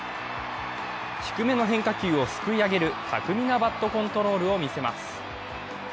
低めの変化球をすくい上げる巧みなバットコントロールを見せます。